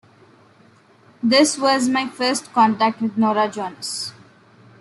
This was my first contact with Norah Jones.